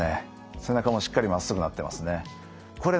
背中もしっかりまっすぐなってますね。